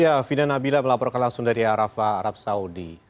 ya fina nabila melaporkan langsung dari arafah arab saudi